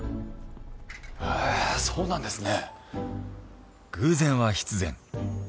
へえそうなんですね。